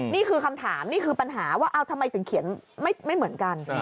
นี่คือคำถามนี่คือปัญหาว่าทำไมถึงเขียนไม่เหมือนกัน